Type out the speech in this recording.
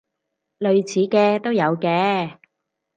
類似嘅都有嘅